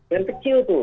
dan kecil tuh